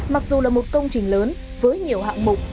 mặc dù là một công trình lớn với nhiều hạng mục